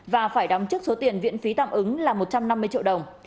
và phải đóng trước số tiền viện phí tạm ứng là một trăm năm mươi triệu đồng